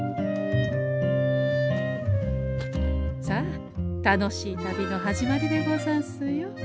さあ楽しい旅の始まりでござんすよ。